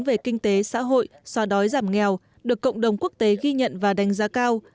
về kinh tế xã hội xóa đói giảm nghèo được cộng đồng quốc tế ghi nhận và đánh giá cao